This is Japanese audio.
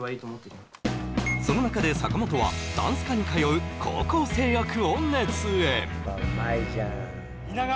その中で坂本はダンス科に通う高校生役を熱演蜷川